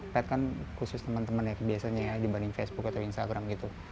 pet kan khusus teman teman ya biasanya ya dibanding facebook atau instagram gitu